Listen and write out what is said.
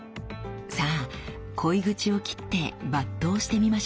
さあ鯉口を切って抜刀してみましょう。